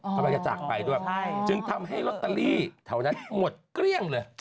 กำลังจะจากไปด้วยจึงทำให้ลอตเตอรี่แถวนั้นหมดเกลี้ยงเลย